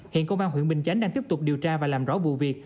hiện công an huyện bình chánh đang tiếp tục điều tra và làm rõ vụ việc